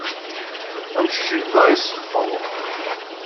Amcic yebda iseffeḍ.